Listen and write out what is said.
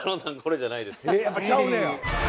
「やっぱちゃうねや。